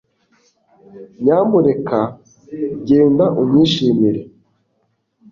Nyamuneka genda unyishimire